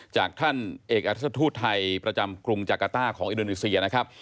จากท่านเอกอัฐทูตไทยประจำกรุงจากาต้าของอินโดนีเซียนะครับ